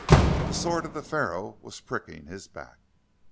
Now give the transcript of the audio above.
The sword of the Pharaoh was pricking his back.